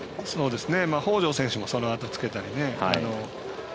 北條選手もそのあとつけたり。